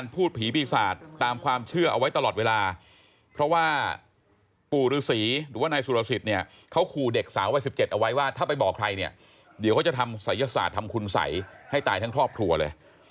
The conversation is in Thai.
ปู่ฤษีหรือว่านายสุรสิทธิ์เขาคูเด็กสาววัย๑๗เอาไว้ว่าถ้าไปบอกใครเดี๋ยวเขาจะทำศัลยศาสตร์ทำฝลใจให้ตายทั้งครอบครัวเลย